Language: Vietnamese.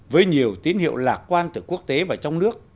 với nhiều tín hiệu lạc quan từ quốc tế và trong nước